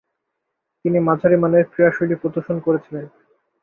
তিনি মাঝারিমানের ক্রীড়াশৈলী প্রদর্শন করেছিলেন।